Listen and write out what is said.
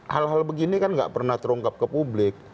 hal hal begini kan nggak pernah terungkap ke publik